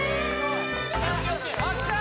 あっきた！